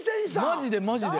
マジでマジで。